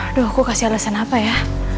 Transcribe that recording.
aduh aku kasih alasan apa ya